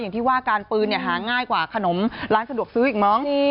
อย่างที่ว่าการปืนหาง่ายกว่าขนมร้านสะดวกซื้ออีกมั้ง